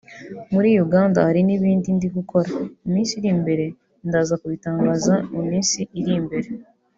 muri Uganda hari n’ibindi ndi gukora mu minsi iri imbere ndaza kubitangaza mu minsi iri imbere